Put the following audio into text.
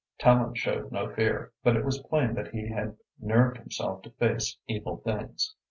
Tallente showed no fear, but it was plain that he had nerved himself to face evil things.